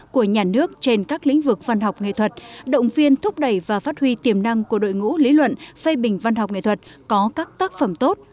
của nhà nước trên các lĩnh vực văn học nghệ thuật động viên thúc đẩy và phát huy tiềm năng của đội ngũ lý luận phê bình văn học nghệ thuật có các tác phẩm tốt